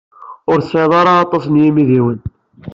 Ur tesɛid ara aṭas n yimidiwen.